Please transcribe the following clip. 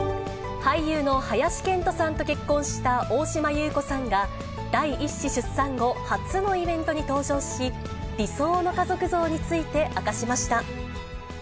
俳優の林遣都さんと結婚した大島優子さんが、第１子出産後、初のイベントに登場し、理想の家族像について明かしました。